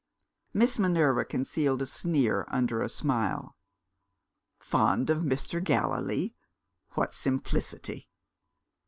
Miss Minerva concealed a sneer under a smile. Fond of Mr. Gallilee? what simplicity!